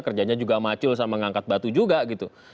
kerjanya juga macul sama ngangkat batu juga gitu